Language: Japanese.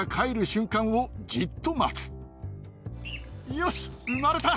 よし生まれた！